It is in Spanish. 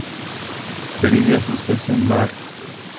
Perilla frutescens var.